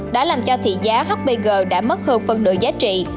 đã làm cho thị giá hpg đã mất hơn phân nửa giá trị